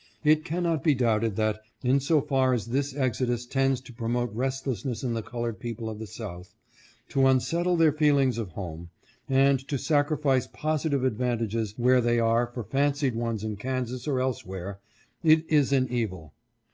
'' It cannot be doubted that, in so far as this exodus tends to pro mote restlessness in the colored people of the South, to unsettle their feeling of home, and to sacrifice positive advantages where they are for fancied ones in Kansas or elsewhere, it is an evil.